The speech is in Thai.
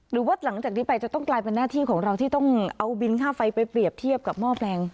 หรือว่าหลังจากนี้ไปจะต้องกลายเป็นหน้าที่ของเราที่ต้องเอาบินค่าไฟไปเปรียบเทียบกับหม้อแปลง